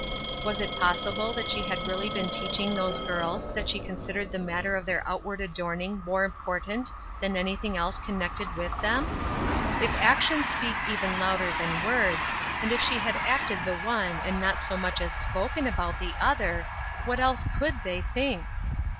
Was it possible that she had really been teaching those girls that she consid ered the matter of their outward adorning more important than anything else connected with them ! If actions speak even louder than words, and if she had acted the one, and not so much as spoken about the other, what else could they think